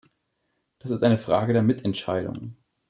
Das ist eine Frage der Mitentscheidung.